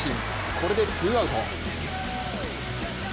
これでツーアウト。